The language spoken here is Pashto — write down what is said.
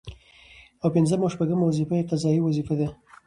او پنځمه او شپومه وظيفه يې قضايي وظيفي دي